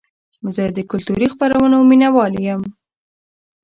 زه د کلتوري خپرونو مینهوال یم.